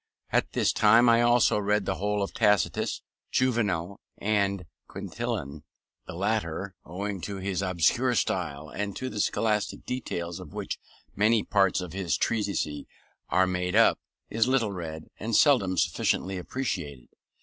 At this time I also read the whole of Tacitus, Juvenal, and Quintilian. The latter, owing to his obscure style and to the scholastic details of which many parts of his treatise are made up, is little read, and seldom sufficiently appreciated.